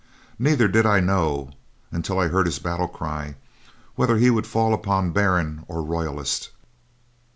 Neither did I know, until I heard his battle cry, whether he would fall upon baron or royalist."